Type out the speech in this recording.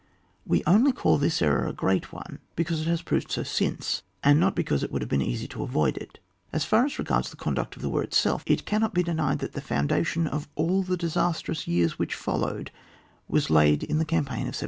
We only call this error a great one because it has proved so since, and not because it would have been easy to avoid it. As far as regards the conduct of the war itself, it cannot be denied that the foundation of all the disastrous years which followed was laid in the campaign of 1794.